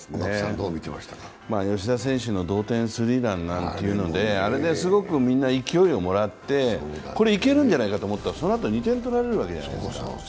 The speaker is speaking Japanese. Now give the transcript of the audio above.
吉田選手の同点スリーランですごくみんな勢をもらってこれ、いけるんじゃないかと思ったら、そのあと２点取られるわけじゃないですか。